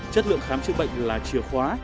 chất lượng khám chữa bệnh là chìa khóa